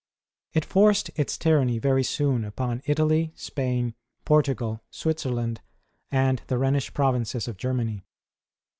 It forced its tyranny very soon upon Italy, Spain, Portugal, Switzerland, and the Rhenish provinces of Germany.